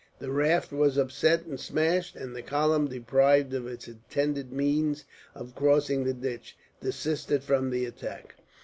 The raft was upset and smashed, and the column, deprived of its intended means of crossing the ditch, desisted from the attack.